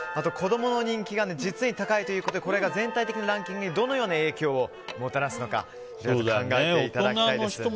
子供の人気が実に高いということでこれが全体的なランキングにどのような影響をもたらすのか皆さん、考えていただきたいです。